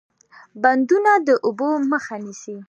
بندونه د اوبو مخه نیسي